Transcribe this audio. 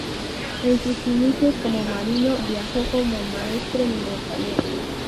En sus inicios como marino viajó como maestre-mercader.